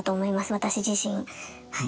私自身はい。